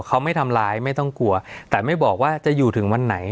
เขาไม่ทำร้ายไม่ต้องกลัวแต่ไม่บอกว่าจะอยู่ถึงวันไหน